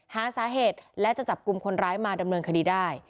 หาสาเหตุและจะจับกลุ่มคนร้ายมาดำเนินคดีได้